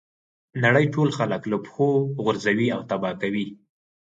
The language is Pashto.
نړۍ ټول خلک له پښو غورځوي او تباه کوي.